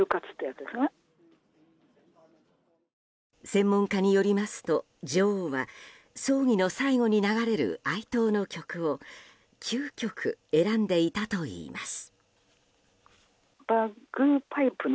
専門家によりますと女王は葬儀の最後に流れる哀悼の曲を９曲選んでいたといいます。